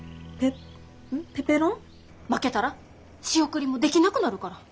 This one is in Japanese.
負けたら仕送りもできなくなるから。